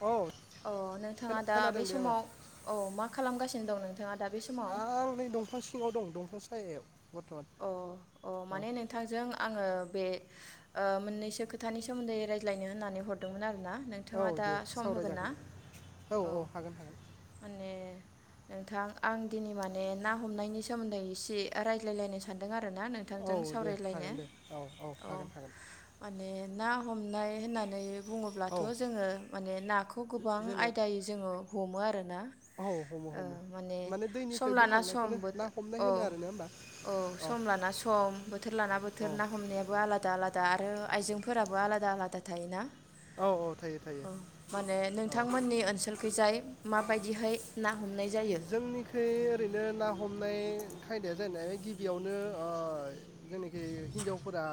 औ अ नोंथाङा खोना- दा बे खोनादों दे आङो समाव औ मा खालामगासिनो दं नोंथ आं नै दंफां सिङाव दं दंफां सिङ सायायाव बर्थमान अ अ औ माने नोंथांजों आङो बे ओ मोननैसो खोथानि सोमोन्दै रायज्लायनो होननानै हरदोंमोन आरो ना नोंथाङा औ दा दे सम होगोन ना सावरायजागोन औ माने नोंथां आं दिनै माने ना हमनायनि सोमोन्दै एसे रायज्लायलायनो स थांदों आरो रोना नोंथांजों औ दे सावरायलायनो हागोन दे औ औ हागोन हागोन माने ना हमनाय होननानै बुङोब्लाथ' औ जोङो माने नाखौ गोबां जेने आयदायै जोङो हमो आरो औ हमो हमो माने सम दैनिफ्राय लाना सम बोखांनायखौनो बोथो ना औ हमनाय होनो आरोना होमबा औ सम लाना सम बोथोर लाना औ बोथोर ना हमनायाबो आलादा आलादा दा आरो आइजेंफोराबो आलादा आलादा थायोना औ औ थायो थायो ओ माने औ नोंथांमोननि ओनसोलखैजाय माबायदिहाय ना हमनाय जायो जोंनिखु ओरैनो ना हमनाय खायदाया जाहैनाय गिबियावनो ओ जेनाखि हिन्जावफोरा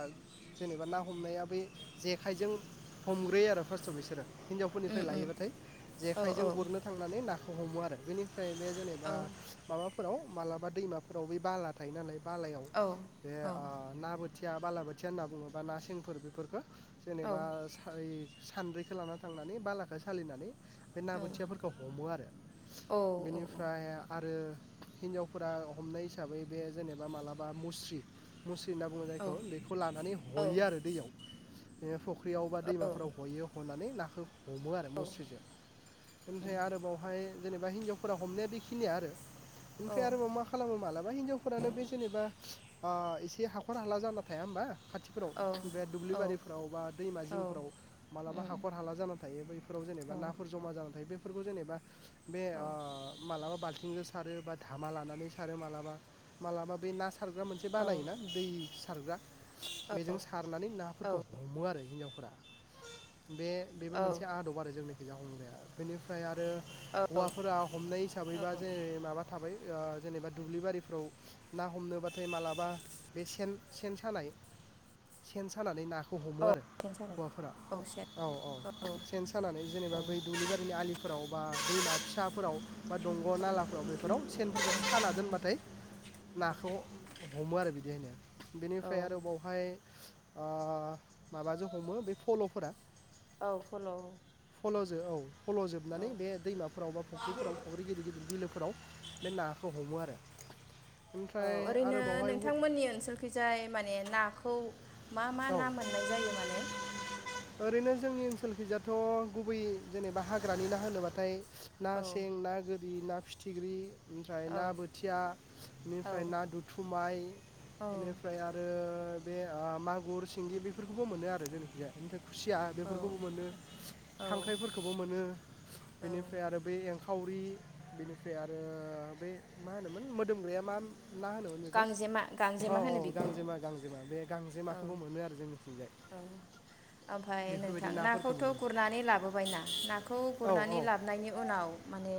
जेनेबा ना हमनाया बै जेखाइजों हमग्रोयो आरो फार्स्टआव बिसोरो। उम हिनजावफोरनिफ्राय उम लायोबाथाय औ जेखाइजों औ गुरनो थांनानै ना हमो आरो बेनि ओमफ्राय बे जेनेबा औ माबा फोराव मालाबा दैमाफोराव बे बाला थायो नालाय बालायाव औ बे ओ ना बो थिया बालाबोथिया ना बुङोबा ना सेंफोर बेफोरफोरखौ औ जेनेबा साय सान्द्रैखौ लाना थांनानै बालाखौ सालिनानै बे ना औ बोथियाफोरखौ हमो आरो। औ औ बेनिफ्राय आरो हिनजावफोरा हमनाय हिसाबै बे जेनेबा मालाबा मुस्रि मुस्रि होनना बुङो औ जायखौ बेखौ लानानै हयो आरो दैयाव। बे फ ख्रियाव बा दैमाफोराव हयो हनानै ना हमो आरो मुस्रिजों। ओमफाय आरो बावहाय बिदिनो बा हिन्जावफोरा हमनाया बेखिनिया आरो। ओमफ्राय आरोबाव मा खालामो मालाबा हिनजावफोरानो बे जेनेबा ओ एसे हाखर हाला जाना थाया होमबा? खाथिफोराव थुबा दुब्लि बारिफोराव बा दैमा जिंफोराव मालाबा हाखर हाला जाना थायो बैफोराव जेनेबा नाफोर जमा जानानै थायो बे फोरखौ जेनेबा बे ओ मालाबा आथिंजों सारो बा धामा लानानै सारो। मालाबा मालाबा बे ना सारग्रा मोनसे बानायोना दै सारग्रा बेजों सारनानै औ नाफोरखौ हमो आरो हिनजावफोरा। बे बेबो औ मोनसे आदब आरो जोंनि। [inaudible] बेनिफ्राय आरो औ हौवाफोरा हमनाय औ हिसाबैबा जे माबा थाबाय ओ जेनेबा दुब्लि बारिफ्राव ना हमनोबाथाय मालाबा बे सेन सेन सानाय। सेन सानानै ना खौ औ हमो आरो सेन सानाय हौवाफोरा। औ औ सेन सानानै औ जेनेबा बै दुब्लिबारिनि आलिफोराव बा फिसाफोराव बा दंग' नालाफ्राव बेफोराव सेनफोरखौ उम साना दोनबाथाय नाखौ हमो आरो बिदि होनो औ बेनिफ्राय आरो बावहाय ओ माबाजों हमो बे फल'फोरा औ फल' फल' जों औ औ फल'जोबनानै बे दैमा फोराव बा फख्रिफोराव, फख्रि गिदिर गदिर बिलोफोर फोराव बे नाखौ हमो आरो। ओमफ्राय अ' आरो ओरैनो बावहाय औ नोंथांमोननि ओनसोलखैजाय माने नाखौ - खौ मा मा ना मोननाय जायो माने ओनसोलखिजाथ' गुबै जेनेबा हाग्रानि ना होनोबाथाय ना औ सें, ना गोद ना फिथिख्रि ओमफ्राय औ ना बोथिया, औ बेनिफ्राय ना दुथुमाय, बेनिफ्राय आरो बे ओ म गुर, सिंगि बेफोरखौबो मोनो आरो जोंनिखिजाय, बेनि थाखाय खुसिया औ बेफोरखौबो मोनो, औ खांख्राइफोरखौबो मोनो, बेनिफ्राय आरो बै खावरि, बेनिफ्राय आरो बे मा होनोमोन मोदोमग्राया मा ना होनोमोन बेखौ, गांजेमा औ गांजेमा औ होनो बेखौ गांजेमा - गांजेमा बे गांजेमा औ औ ओमफफ्राय नोंथां बेफोरबायदि नाफोरखौ नाखौथ' मोनो गुरनानै लाबोबाय ना, नाखौ औ गुरनानै लाबोननि उनाव माने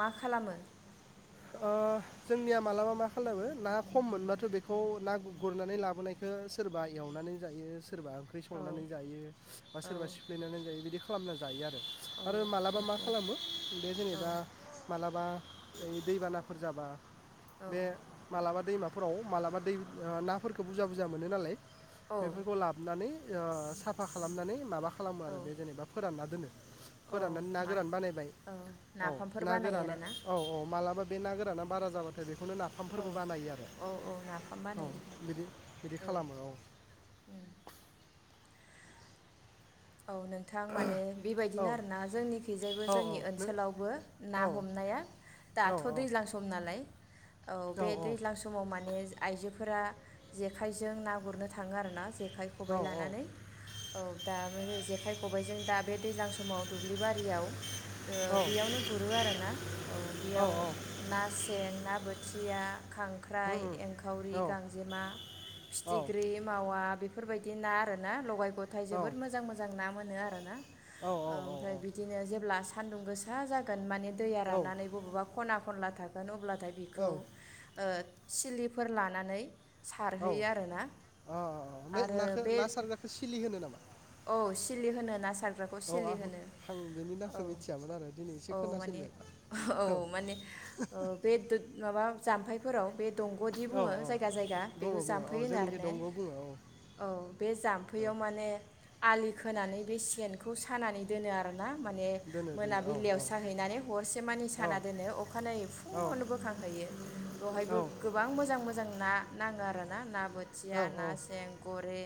मा खालामो? ओ जोंनिया मालाबा मा खालामो, ना खम मोनबाथ' बेखौ ना गुरनानै लाबोनायखौ सोरबा एवनानै जायो। सोरबा ओंख्रि औ संनानै जायो बा सोरबा औ सिफ्लेनानै जायो बिदि खा खालामना जायो आरो। औ आरो औ मालाबा मा खालामो, बे जेनेबा मालाबा [inaudible] दैबानाफोर जाबा, बे औ मालाबा दैमाफोराव मालाबा दै नाफोरखौ बुरजा - बुरजा मोनो नालाय। बेफोरखौ लाबोनानै औ साफा खालामनानै माबा खालामो औ आरो बे जेनेबा फोराननानै दोनो औ फोराननानै ना मा गोरान बानायबाय, औ औ नाफामफोर ना बानायो गोराना आरोना औ औ मालाबा बे ना गोराना बारा जाबाथाय बे बेखौनो औ नाफामफोरबो बानायो आरो औ औ नाफाम औ बानायो बिदि बिदि खालामो औ औ औ नोंथां माने औ बेबायदिनो आरोना जोंनिखैजायबो औ औ जोंनि नो ओनसोलावबो ना औ हमनाया औ दाथ' दैज्लां सम नालाय औ बे दैज्लां समाव माने आइजो फोरा जेखायजों ना गुरनो थाङो आरोना जे जेखाय औ खबाइ औ लानानै औ दा जेखाइ खबाइजों दा बे दैज्लां समाव दुब्लि बारियाव ओ बेयावनो गुरो आरोना औ उम बेयाव ना सें, ना बो सिया खांख्राइ, उम एंखावरि, औ गांजेमा, औ फिथिख्रि मावा बेफोर बेफोरबायदि ना आरोना लगाय गथाय औ जोबोद मोजां मोजां ना मोनो आरो ना ओमफ्राय बिदिनो जेब्ला सान्दुं गोसा जागोन माने दैया राननानै बबेबा खना खना थागोन अब्ला दा औ बेखौ ओह सिलिफोर लानानै औ अ सारहैयो आरोना अ अ ओम आरो नाखौ बे ना सारग्राखौ सिलि होनो नामा? औ सिलि होनो नासार ग्राखौ औ सिलि आं होनो आं बेनि औ नामखौ मिथियामोन आरो दिनै एसे औ माने खोनासिनबाय औ माने ओ बे दं माबा जाम्फैफोराव बे दंग'दि औ बुङो जायगा जायगा बेखौ बुङो बुङो औ जामफै होनो आरो जोंनिखि ने दंग' बुङो औ औ बे औ जामफैयाव माने आलि खोनानै बे सेनखौ सानानै दोनो आरोना माने दोनो दोनो औ मोनाबिलियाव साहैनानै हरसे मानि औ साना दोनो अखानायै औ फुङावनो बोखांहैयो बेवहायबो गोबां मोजां मोजां ना नांङो आरोना औ बोथिया ना औ सें गरे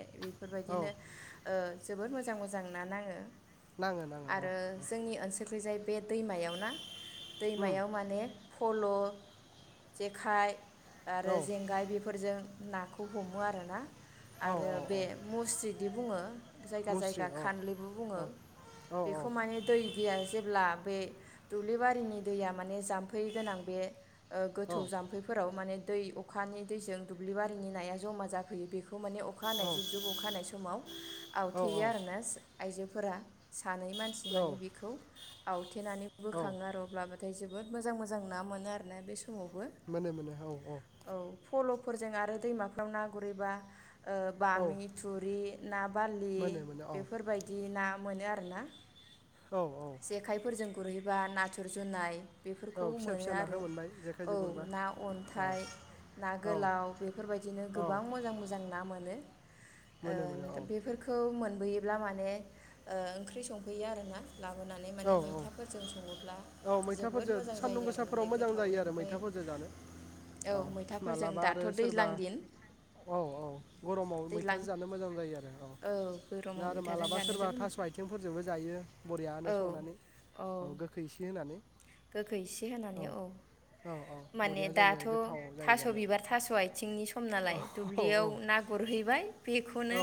औ बेफोरबायदिनो जोबोद मोजां मोजां ना नाङो नाङो नाङो औ आरो जोंनि ओनसोलखै जाय बे दैमायाव ना? उम दैमायाव माने फल', जेखाइ, आरो औ जेंगाय बेफोरजों नाखौ हमो आरोना। औ आरो औ बे औ मुस्रिजिदि बुङो? जायगा मुस्रि जायगा औ खानलिबो बुङो औ औ बेखौ माने दै गैया जेब्ला बे दुब्लि बारिनि दैया माने जाम्फै गोनां बे ओ गोथौ जाम्फैफोराव माने दै अखानि दैजों दुब्लिबारिनि नाया जमा जाफैयो बे खौ माने अखा हानाय जुब जुब अखा हानाय समाव थेयो औ आरोना। आइजोफोरा सानै मानसि माने औ बेखौ आवथेनानै औ बोखाङो आरो अब्लाबो थाय जोबोद मोजां मोजां ना मोनो आरोना बे समावबो मोनो मोनो औ औ फल'फोरजों आरो दैमाफाव ना गुरैबा ओ औ बामि, थुरि ना बारलि मोनो मोनो औ बेफोरबायदि ना मोनो आरोना। औ औ जेखाइफोरजों गुरहैबा नाथुर जुनाय बेफोरखौ फिसा मोनो फिसा नाखौ आरो मोनबाय जेखाइजों औ गुरबा ना औ अन्थाइ, ना औ गोलाव, बेफोरबायदिनो औ गोबां मोजां मोजां ना मोनो। ओ मोनो मोनो दा औ बेफोरखौ मोनबोयो। ब्ला माने ओ ओंख्रि संफैयो आरोना। लाबोनानै औ माने मैथाफोरजों सङोब्ला औ जोबोद मैथाफोरजों मोजां सान्दुं जायो आरो गोसाफोराव माने मोजां जायो गोथावनो आरो ओमफ्राय मैथाफोरजों जानो औ मैथाफोरजों मालाबा आरो दाथ' सोरबा दैज्लां दिन। औ औ गरमाव दैज्लां मैथाजों जानो मोजां जायो आरो औ दा गरमाव आरो मैथाजों मालाबा जानो सोरबा जोबोद थास आइथिंफोरजोंबो जायो बरियानो। औ संनानै औ गोखै एसे होनानै गोखै इसे होनानै औ औ। माने बरिया जायो दाथ आरो गोथाव जायो थास जानो बिबार थास आइथिंनि सम औ नालाय औ दुब्लियाव ना गुरहैबाय बेखौनो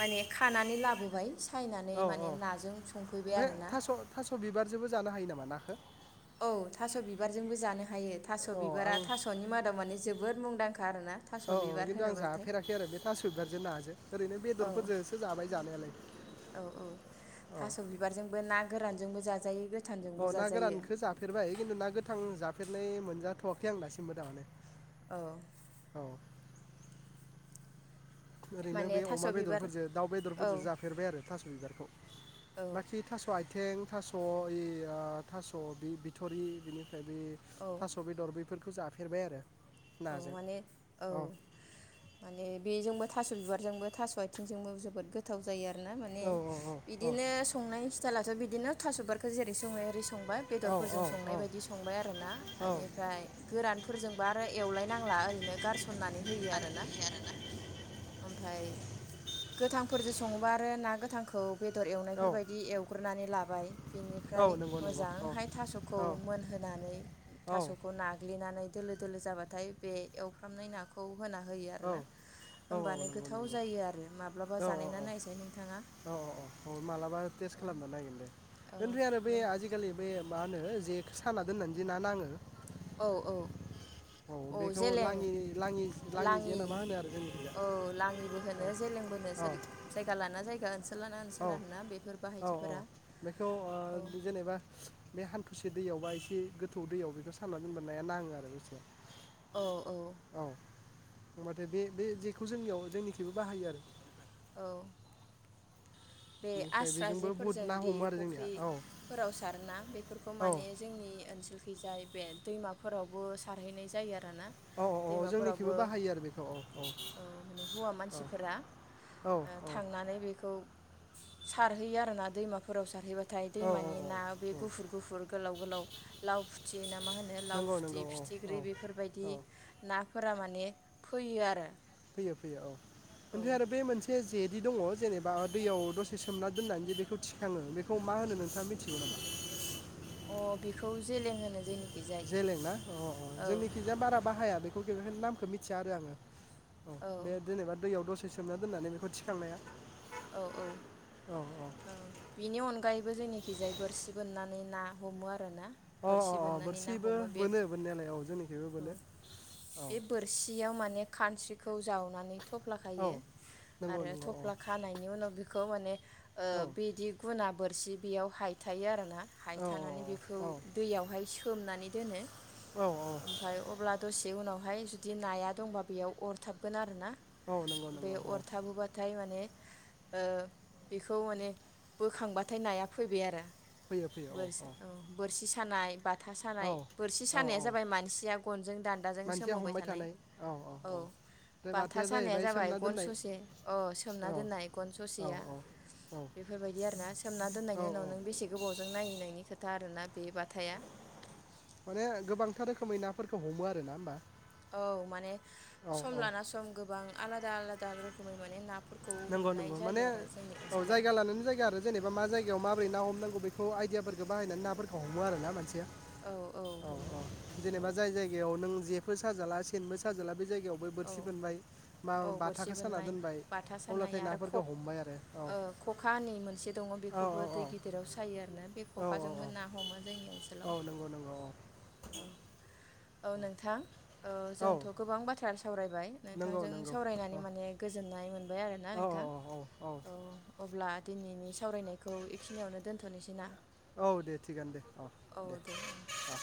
माने खानानै लाब नुबाय सा सायनानै औ माने नाजों संफैबाय आरोना जोबो जानो हायो नामा नाखो औ थास बिबारजोंबो जानो हायो थास औ आं बिबारा थासनि मादाव मानि जोब जोबोद मुंदां औ औ खिन्थु आं जाफेराखै आरो बे थास बिबार ना जों ओरैनो औ बेदरफोरजोंसो जाबाय जानायालाय औ औ औ जोंबो जा जायो अ ना गोरानखो जाफेरबाय खिन्थु ना गोथां जाफेरनाय मोनजाथ सें नास्रि मोजांङानो औ ओरैनो माने बे थास' अमा बिबार बेदरफोरजों दाउ औ बेदरफोरजों जाफेरबाय आरो थास बिबारखौ औ बाखि थास आथिें थास अ यि आ थास बे बिथ'रि बिनि फ्राय बे औ थास बेदर बेफोरखौ जाफेरबाय आरो औ नाजों माने औ माने बेजोंबो थास बिबारजोंबो थास आथिंजोंबो जोबोद गोथाव जायो आरो आरोना माने औ औ औ बिदिनो संनाय स्टाइलाथ बिदिनो थासबारखो जेरै संङो एरै संबाय औ बेदरफोरजों संनाय बायदि संबाय आरोना औ बेनिफ्राय गोरानफोरजोंबो आरो एवलायनांला ओरैनो गारसननानै होयो आरोना ओमफाय गोथांफोरजों सङोबा आरो ना गोथांखौ बेदर औ एवनायफोरबायायदि एवग्रोनानै ला बाय बिनिफ्राय औ नंगौ नंगौ औ मोजांहाय थास'खौ औ मोनहोनानै औ थास'खौ नाग्लिनानै दोलो-दोलो जाबा नाथाय बे एवफ्रामनाय नाखौ होयो औ आरोना औ औ होमबानो गोथाव नंगौ-नंगौ जायो आरो माब्लाबा औ औ जानायना औ नायसाय नोंथाङा औ औ औ मालाबा टेस्ट खालामना नायगोन दे औ ओमफ्राय आरो बै नों आजिखालि बे मा नो जे साना दोननानै जेना नाङो औ औ औ बेखौ जेलें लाङि लाङि जे लाङि ना मा होनो आरो जोंनिखैजा औ लाङिबो होनो जेलें बो होनो औ सोर जायगा लाना जायगा जस औ औ औ बेखौ औ ओ जेनेबा बे हान्थुसे बे दैयावबा एसे गोथौ दैयाव बेखौ सानना दोनब नाया नाङो आरो दसे औ औ होमबाथाय बे बे जेखौ जोंनियाव जोंनिख्रुइबो बाहायो आरो औ बे बेनिफ्राय आस्रा बेजोंबो बुहुद जेफोरजों ना दि हमो आरो जोंनिया औ फुख्रिफोराव सारोना बेफोरखौ औ माने जोंनि ओनसोलखैजाय बे दैमाफोरावबो सारहैनाय जायो आरो। दाना औ औ जोंनिखैबो दैमाफोरावबो बाहायो आरो बेखौ औ औ ओ माने हौवा मानसिफोरा थांनानै बेखौ सारहैयो आरोना दैमाफोराव सारहैबा थाय औ औ दैमानि ना बे औ औ गुफुर गुफुर गोलाव गोलाव लाव फुथि ना मा होनो लाव नंगौ नंगौ फुथि औ औ फिथिख्रि औ बेफोरबायदि ना फोरा माने फैयो आरो फैयो फैयो औ औ ओमफ्राय आरो बे मोनसे जेदि दङ जेनेबा दैयाव दसे सोमना दोननानै जे बेखौ थिखाङो बेखौ मा होनो नोंथाङा मिथिगौ नामा? अ बेखौ जेलें होनो जोंनिखै। जेलेंना अ अ जोंनिथिंजाय बारा बाहाया बेखौ जेलेंना नामखौ मिथिया आरो आङो औ बे जेनेबा दैयाव दसे सोमना दोननानै बेखौ थिखांनाया औ औ औ बिनि अनगायैबो जोंनिखिजाय बोरसि बोनना नै ना हमो आरो। ना औ अ अ बोरसि अ बोननानै ना बोरसिबो हमो बे बोनो बोननायालाय औ जोंनिखैबो औ बोनो औ बे बोरसियाव माने खानस्रिखौ जावनानै थफ्ला औ खायो नंगौ आरो नंगौ औ थफ्ला बिनि उनाव बिखौ माने ओ औ बिदि गुना बोरसि बेयाव हाय थायो आरो ना। औ हायथानानै बेखौ औ दैयावहाय सोमनानै दोनो औ ओमफफ्राय अब्ला दसे उनाव फाय जुदि नाया दंबा बेयाव अरथाबगोन आरो ना। औ नंगौ बे नंगौ औ अरथाबोबाथाय माने ओ बेखौ माने बोखांबाथाय नाया फैबाय आरो। बोरसि औ बोरसि [unintelligible] बाथा सानाय बोरसि औ औ सानाया औ जाबाय मानसिया गनजों दान्दाजों सोमावबाय थानाय औ ओमफ्राय बाथा बाथाया सानाया जाहैबाय जाबाय सोमना गन दोननाय ससे औ औ सोमनानै दोननाय गन ससेया औ बेफोरबायदि आर ना सोमना दोननायनि उनाव औ नों बेसे गोबावजों नायो नोंनि खोथा आरोना। बे बाथाया माने गोबांथार रोखोमै ना फोरखौ हमो आर ना होमबा औ माने औ सम औ लाना सम गोबां आलादा आलादा रोखोमै माने नाप नंगौ नंगौ माने औ जायगा लानानै जायगा आरो जेनेबा मा जायगायाव मा बोरै ना हमनांगौ बेखौ आइदियाफोरखौ बाहायनानै नाफोरखौ हमो आर ना मानसिया औ औ औ हमनो जेनेबा जाय औ जायगायाव नों जे बो साजाला सेनबो साजाला बे जायग सियगायावबो बोरथि औ बोनबाय मा औ बोरसि बाथाखौ साना बोननाय दोनबाय बाथा सानाय अब्लाथाय आरो नाफोरखौ खब हमबाय आरो औ ओ खखा होन्नाय मोनसे दङ औ औ बेखौबो दै गिदिराव सायो आरोना बे औ खखाजोंबो ना औ हमो जोंनि ओनसोलाव औ नंगौ नंगौ औ औ औ नोंथां ओ औ जोंथ' गोबां बाथ्रा सावरायबाय नंगौ नोंथांजों नंगौ सावरायनानै औ माने गोजोननाय मोनबाय आरोना औ नोंथां औ औ अब्ला दिनैनि सावरायनायखौ एखिनियावनो दोनथ'नोसै ना औ दे थिगानो दे औ दे औ